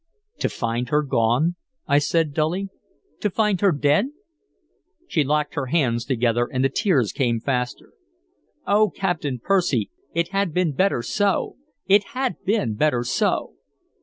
"To find her gone?" I said dully. "To find her dead?" She locked her hands together and the tears came faster. "Oh, Captain Percy, it had been better so! it had been better so!